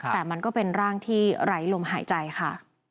แต่มันก็เป็นร่างที่ไร้ลมหายใจค่ะ